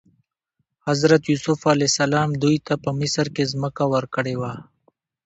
حضرت یوسف علیه السلام دوی ته په مصر کې ځمکه ورکړې وه.